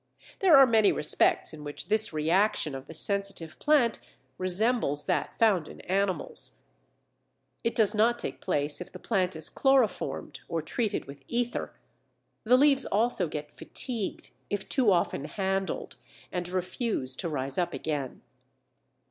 There are many respects in which this reaction of the Sensitive Plant resembles that found in animals. It does not take place if the plant is chloroformed or treated with ether; the leaves also get "fatigued" if too often handled, and refuse to rise up again.